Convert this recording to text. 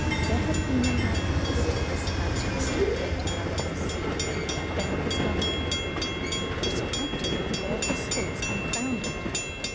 There had been a likeness to his phantastic lady love of the sea; then it was gone again; but it left him with all his thoughts confounded.